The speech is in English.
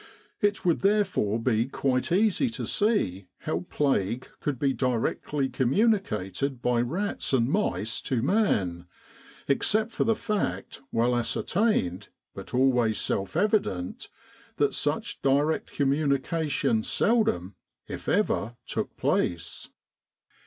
It would therefore be quite easy to see how plague could be directly communicated by rats and mice to man, except for the fact well ascertained, but always self evident that such direct communication seldom, if ever, took place.